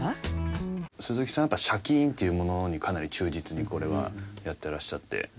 鈴木さんはやっぱシャキーンっていうものにかなり忠実にこれはやってらっしゃって。